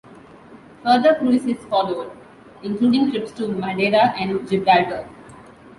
Further cruises followed, including trips to Madeira and Gibraltar.